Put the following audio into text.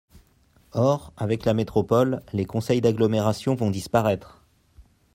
Or, avec la métropole, les conseils d’agglomération vont disparaître.